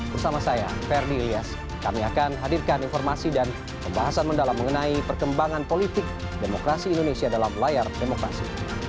bersama saya ferdi ilyas kami akan hadirkan informasi dan pembahasan mendalam mengenai perkembangan politik demokrasi indonesia dalam layar demokrasi